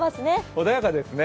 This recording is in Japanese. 穏やかですね。